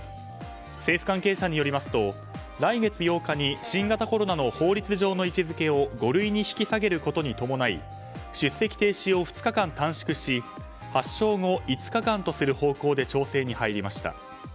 政府関係者によりますと来月８日に新型コロナの法律上の位置づけを５類に引き下げることに伴い出席停止を２日間短縮し発症後５日間とする方向で調整に入りました。